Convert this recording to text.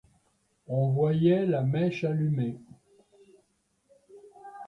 On voyait la mèche allumée.